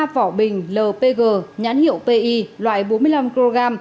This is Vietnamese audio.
ba vỏ bình lpg nhãn hiệu pi loại bốn mươi năm kg